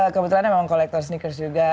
kebetulan memang kolektor sneakers juga